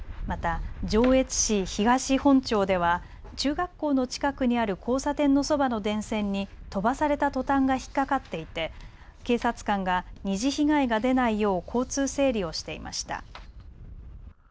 また、上越市東本町では中学校の近くにある交差点のそばの電線に飛ばされたトタンが引っ掛かっていて警察官が２次被害が出ないよう交通整理をしていました。